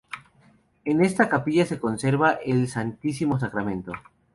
En esta capilla se conserva el Santísimo Sacramento.